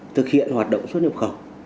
thực hiện hoạt động xuất hợp khẩu